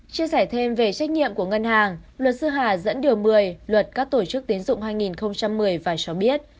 chia sẻ thêm về trách nhiệm của ngân hàng luật sư hà dẫn điều một mươi luật các tổ chức tiến dụng hai nghìn một mươi và cho biết